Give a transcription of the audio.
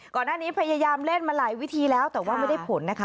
ก่อนหน้านี้พยายามเล่นมาหลายวิธีแล้วแต่ว่าไม่ได้ผลนะคะ